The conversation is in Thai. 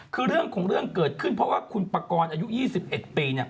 คือเรื่องของเรื่องเกิดขึ้นเพราะว่าคุณปากรอายุ๒๑ปี